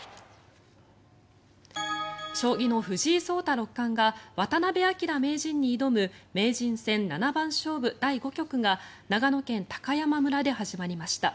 将棋の藤井聡太六冠が渡辺明名人に挑む名人戦七番勝負第５局が長野県高山村で始まりました。